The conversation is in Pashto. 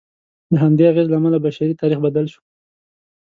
د همدې اغېز له امله بشري تاریخ بدل شو.